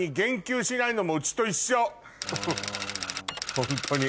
ホントに。